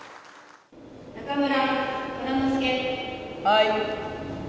はい。